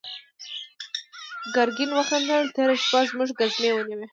ګرګين وخندل: تېره شپه زموږ ګزمې ونيو.